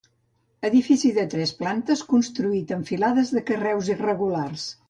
Edifici de tres plantes construït amb filades de carreus irregulars.